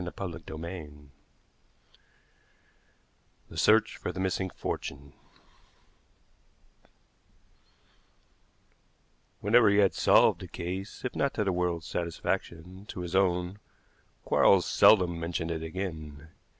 CHAPTER XVI THE SEARCH FOR THE MISSING FORTUNE Whenever he had solved a case, if not to the world's satisfaction, to his own, Quarles seldom mentioned it again.